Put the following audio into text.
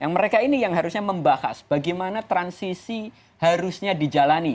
mereka ini yang harusnya membahas bagaimana transisi harusnya dijalani